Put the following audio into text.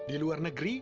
di luar negeri